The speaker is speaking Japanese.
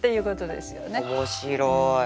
面白い。